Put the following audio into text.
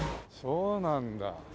そうなんだ。